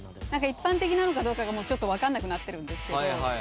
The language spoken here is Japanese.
一般的なのかどうかがちょっと分かんなくなってるんですけど。